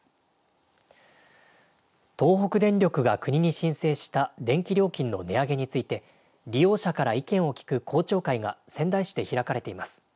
東北電力が国に申請した電気料金の値上げについて利用者から意見を聞く公聴会が仙台市で開かれています。